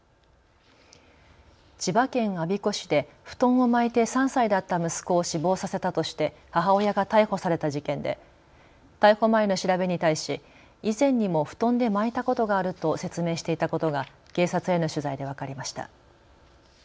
千葉県我孫子市で布団を巻いて３歳だった息子を死亡させたとして母親が逮捕された事件で逮捕前の調べに対し以前にも布団で巻いたことがあると説明していたことが警察への取材で分かりました。